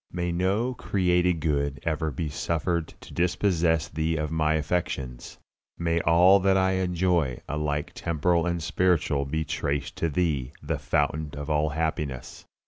May no created good ever be suffered to dispossess Thee of my affections. May all that I enjoy, alike temporal and spiritual, be traced to Thee, the Fountain of all happiness.